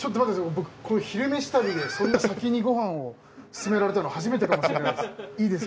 僕「昼めし旅」で先にご飯を勧められたのは初めてかもしれないです。